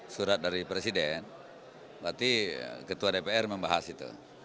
surat dari presiden berarti ketua dpr membahas itu